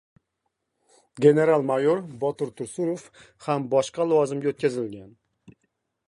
General-mayor Botir Tursunov ham boshqa lavozimga o‘tkazilgan